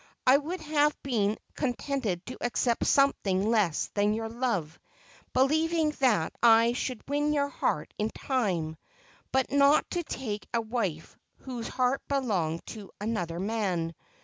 I would have been contented to accept something less than your love, believing that I should win your heart in time, but not to take a wife whose heart belonged to another man.